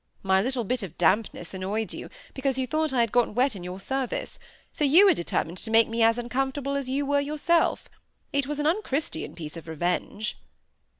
"My little bit of dampness annoyed you, because you thought I had got wet in your service; so you were determined to make me as uncomfortable as you were yourself. It was an unchristian piece of revenge!"